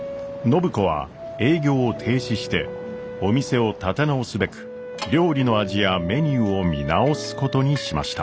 暢子は営業を停止してお店を立て直すべく料理の味やメニューを見直すことにしました。